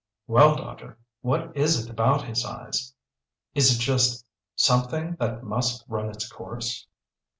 "Well, doctor, what is it about his eyes? Is it just something that must run its course?"